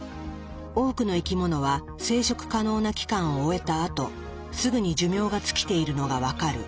多くの生き物は生殖可能な期間を終えたあとすぐに寿命が尽きているのが分かる。